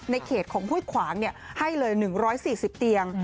ในเขตของผู้ขวางให้เลย๑๔๐เตียง